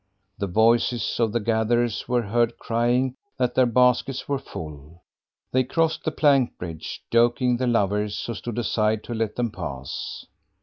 The voices of the gatherers were heard crying that their baskets were full. They crossed the plank bridge, joking the lovers, who stood aside to let them pass.